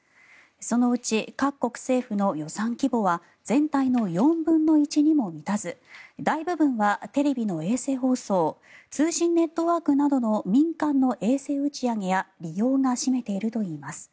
そのうち各国政府の予算規模は全体の４分の１にも満たず大部分はテレビの衛星放送通信ネットワークなどの民間の衛星打ち上げや利用が占めているといいます。